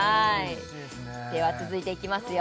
では続いていきますよ